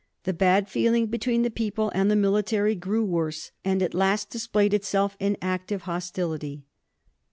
The bad feeling between the people and the military grew worse, and at last displayed itself in active hostility.